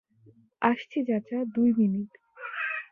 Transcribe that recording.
আসছি চাচা, দুই মিনিট।